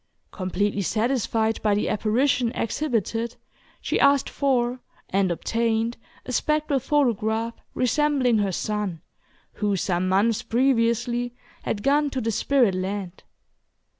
Completely satisfied by the apparition exhibited, she asked for and obtained a spectral photograph resembling her son, who, some months previously, had gone to the spirit land.